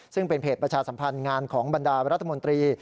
ซึ่งเป็นเพจประชาสัมพันธ์งานของบรรดารัฐมนตรี